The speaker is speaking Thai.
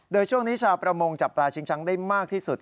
โดยช่วงนี้ชาวประมงจับปลาชิงช้างได้มากที่สุด